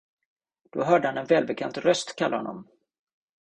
Då hörde han en välbekant röst kalla honom.